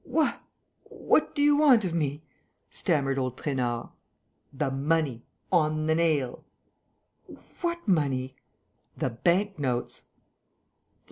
"What?... What do you want of me?" stammered old Trainard. "The money ... on the nail...." "What money?" "The bank notes."